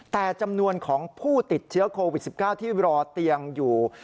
แต่จำนวนของผู้ติดเชื้อโควิด๑๙ที่รอเตียงอยู่